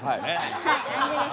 はい安全です。